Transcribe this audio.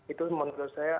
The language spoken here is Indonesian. itu menurut saya